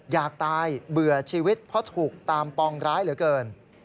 อยากตายเบื่อชีวิตเพราะถูกตามปองร้ายเหลือเกิน